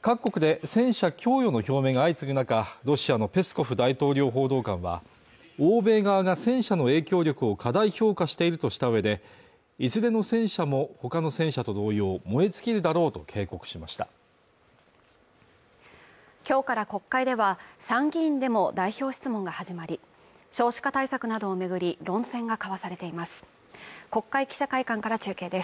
各国で戦車供与の表明が相次ぐ中ロシアのペスコフ大統領報道官は欧米側が戦車の影響力を過大評価しているとしたうえでいずれの戦車もほかの戦車と同様燃え尽きるだろうと警告しました今日から国会では参議院でも代表質問が始まり少子化対策などを巡り論戦が交わされています